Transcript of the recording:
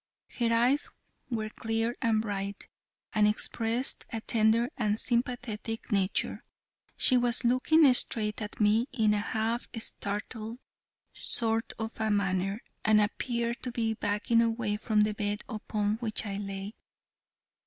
Her eyes were clear and bright, and expressed a tender and sympathetic nature. She was looking straight at me in a half startled sort of a manner, and appeared to be backing away from the bed upon which I lay.